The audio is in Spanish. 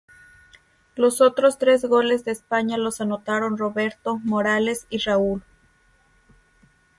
Los otros tres goles de España los anotaron Roberto, Morales y Raúl.